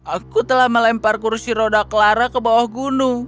aku telah melempar kursi roda clara ke bawah gunung